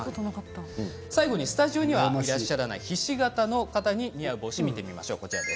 最後にスタジオにいらっしゃらないひし形の方に似合う帽子です。